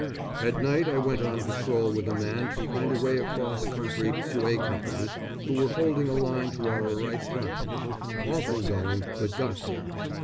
At night I went on patrol with a man to find a way across country to A Co., who were holding a line to our right front. Awful going, but got there.